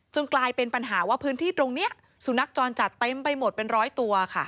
กลายเป็นปัญหาว่าพื้นที่ตรงนี้สุนัขจรจัดเต็มไปหมดเป็นร้อยตัวค่ะ